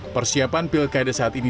persiapan pilkada saat ini